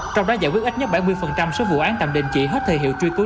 trong đó giải quyết ít nhất bảy mươi số vụ án tầm đình chỉ hết thời hiệu truy tối